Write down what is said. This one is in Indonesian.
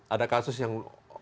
ada kasus yang